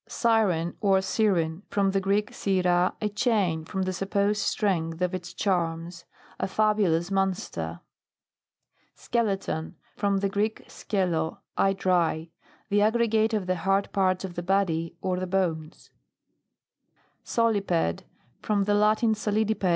150 MAMMALOGY: GLOSSARY. SIREN, or Syren. From the Greek. sen fir, a chain, from the supposed strength of its charms. A fabulous monster. SKELETON. From the Greek, skello, I dry. The aggregate of the hard parts of the body, or the bones. SOLIPEDE. From the Latin, solidipe.